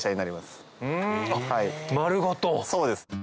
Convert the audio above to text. そうです。